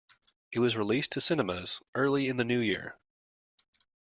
It was released to cinemas early in the New Year.